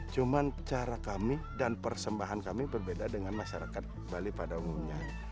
cuma cara kami dan persembahan kami berbeda dengan masyarakat bali pada umumnya